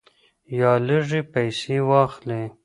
یا لږې پیسې واخلې.